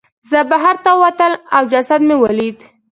زه بهر ته ووتلم او جسد مې ولید.